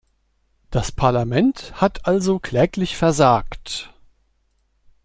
Das Parlament hat also kläglich versagt.